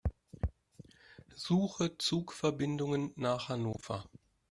Suche Zugverbindungen nach Hannover.